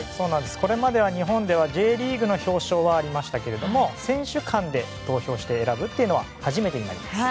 これまでは日本ではＪリーグの表彰はありましたけども選手間で投票して選ぶというのは初めてになります。